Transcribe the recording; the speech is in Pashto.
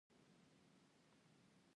دریمه پوښتنه د دولت تعریف او قواوې دي.